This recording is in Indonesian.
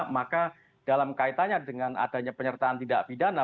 maka dalam kaitannya dengan adanya penyertaan tindak pidana